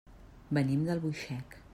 Venim d'Albuixec.